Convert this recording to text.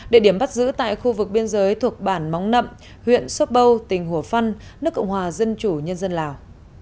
địa điểm bắt giữ tại khu vực biên giới thuộc bản móng nậm huyện sốp bâu tỉnh hùa phân nước cộng hòa dân chủ nhân dân lào